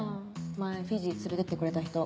前フィジー連れてってくれた人。